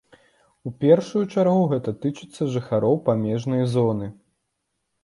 У першую чаргу гэта тычыцца жыхароў памежнай зоны.